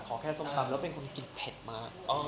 ขอแค่ส้มตำแล้วเป็นคนกินเผ็ดมาก